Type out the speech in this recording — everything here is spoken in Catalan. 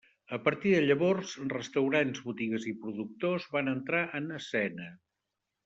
A partir de llavors, restaurants, botigues i productors van entrar en escena.